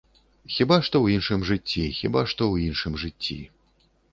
Хіба што ў іншым жыцці, хіба што ў іншым жыцці.